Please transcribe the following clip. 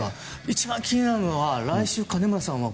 一番気になるのは来週、金村さんは